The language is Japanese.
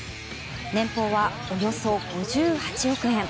年俸はおよそ５８億円。